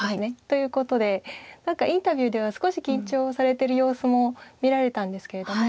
ということで何かインタビューでは少し緊張されてる様子も見られたんですけれども。